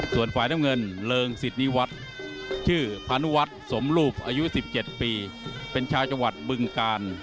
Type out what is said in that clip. ส่วนฝ่ายน้ำเงินเริงสิทธิวัฒน์ชื่อพานุวัฒน์สมรูปอายุ๑๗ปีเป็นชาวจังหวัดบึงกาล